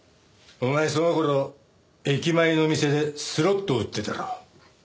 お前その頃駅前の店でスロットを打ってたろ？